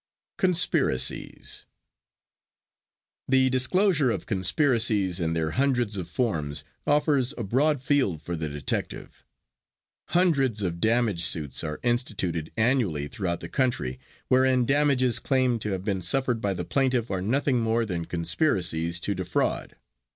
CONSPIRACIES The disclosure of conspiracies in their hundreds of forms offers a broad field for the detective. Hundreds of damage suits are instituted annually throughout the country wherein damages claimed to have been suffered by the plaintiff are nothing more than conspiracies to defraud.